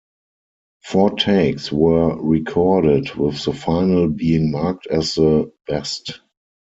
Four takes were recorded with the final being marked as the best.